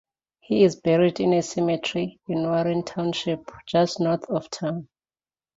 He is buried in a cemetery in Warren Township, just north of town.